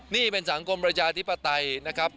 นี่เป็นสังคมประชาธิปไตยนะครับ